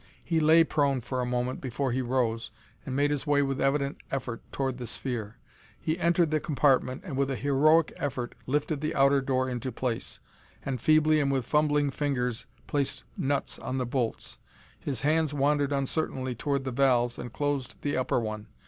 He lay prone for a moment before he rose and made his way with evident effort toward the sphere. He entered the compartment and with a heroic effort lifted the outer door into place, and feebly and with fumbling fingers placed nuts on the bolts. His hands wandered uncertainly toward the valves and closed the upper one.